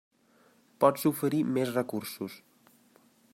Pots oferir més recursos.